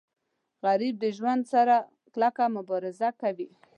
غریب د ژوند سره کلکه مبارزه کوي